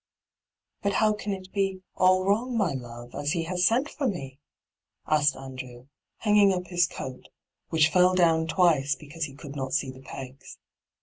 ' But how can it be "all wrong," my love, • as he has sent for me ?' asked Andrew, hang ing up his coat, which fell down twice because he could not see the pegs.